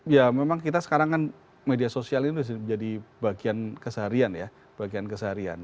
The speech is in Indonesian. ya memang kita sekarang kan media sosial ini sudah menjadi bagian keseharian ya bagian keseharian